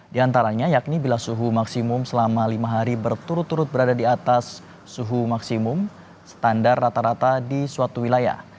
di antaranya yakni bila suhu maksimum selama lima hari berturut turut berada di atas suhu maksimum standar rata rata di suatu wilayah